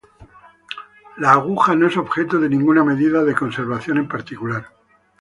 La Aguja no es objeto de ninguna medida de conservación en particular.